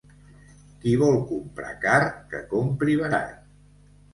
Qui vol comprar car, que compri barat.